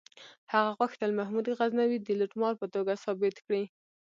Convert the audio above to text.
هغه غوښتل محمود غزنوي د لوټمار په توګه ثابت کړي.